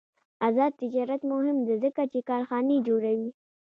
آزاد تجارت مهم دی ځکه چې کارخانې جوړوي.